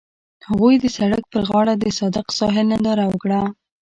هغوی د سړک پر غاړه د صادق ساحل ننداره وکړه.